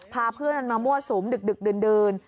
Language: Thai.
พาเพื่อนมามั่วสุมดึกดื่น